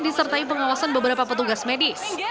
disertai pengawasan beberapa petugas medis